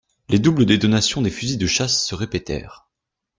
Les doubles détonations des fusils de chasse se répétèrent.